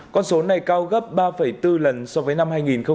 con số này cao gấp ba bốn lần so với năm hai nghìn hai mươi hai